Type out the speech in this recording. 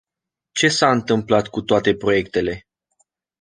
Ce s-a întâmplat cu toate proiectele?